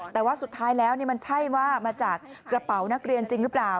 แต่ว่าสุดท้ายแล้วมันใช่ว่ามาจากกระเป๋านักเรียนจริงหรือเปล่า